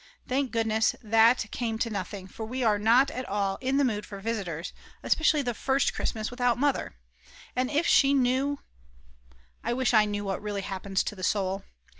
Thank goodness that came to nothing, for we are not at all in the mood for visitors, especially the first Christmas without Mother. And if she knew I wish I knew what really happens to the soul.